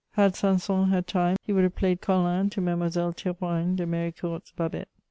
Had Sanson had time, he would have played Colin to Mademoiselle Théroigne de Méricourt's Babet.